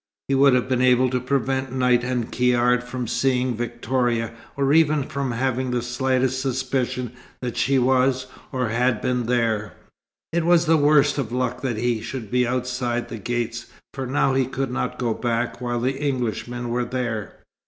He would have been able to prevent Knight and Caird from seeing Victoria, or even from having the slightest suspicion that she was, or had been, there. It was the worst of luck that he should be outside the gates, for now he could not go back while the Englishmen were there.